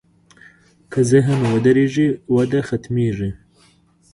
که ذهن ودرېږي، وده ختمېږي.